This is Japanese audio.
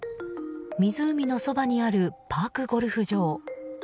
湖のそばにあるパークゴルフ場。